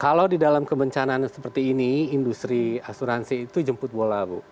kalau di dalam kebencanaan seperti ini industri asuransi itu jemput bola bu